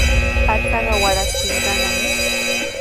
Pachaqa waraskishqanami.